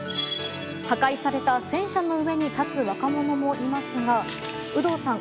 破壊された戦車の上に立つ若者もいますが有働さん